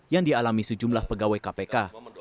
yang dialami sejumlah pegawai kpk